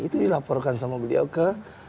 itu dilaporkan sama beliau ke